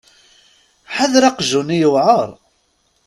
Ḥader aqjun-nni yewεer.